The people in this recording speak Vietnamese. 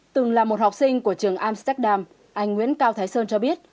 từng là một học sinh của trường amsterdam anh nguyễn cao thái sơn cho biết